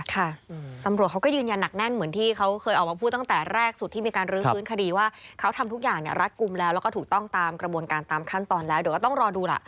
ค่ะตำรวจเขาก็ยืนยันหนักแน่นเหมือนที่เขาเคยออกมาพูดตั้งแต่แรกสุดที่มีการรื้อฟื้นคดีว่าเขาทำทุกอย่างเนี่ยรัดกลุ่มแล้วแล้วก็ถูกต้องตามกระบวนการตามขั้นตอนแล้วเดี๋ยวก็ต้องรอดูล่ะ